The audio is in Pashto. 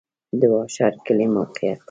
د واشر کلی موقعیت